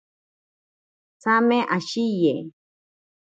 Tsame ashiye.